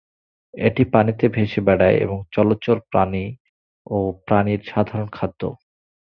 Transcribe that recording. এটি পানিতে ভেসে বেড়ায় এবং জলচর পাখি ও প্রাণীর সাধারণ খাদ্য।